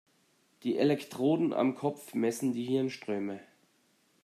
Die Elektroden am Kopf messen die Hirnströme.